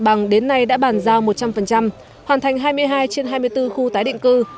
bằng đến nay đã bàn giao một trăm linh hoàn thành hai mươi hai trên hai mươi bốn khu tái định cư